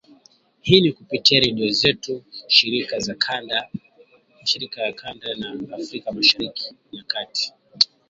Hii ni kupitia redio zetu shirika za kanda ya Afrika Mashariki na Kati